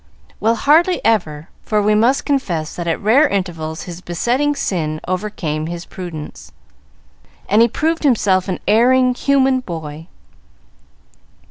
Well, hardly ever, for we must confess that at rare intervals his besetting sin overcame his prudence, and he proved himself an erring, human boy.